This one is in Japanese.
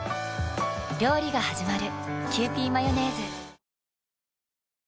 料理がはじまる。